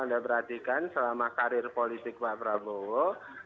anda perhatikan selama karir politik pak prabowo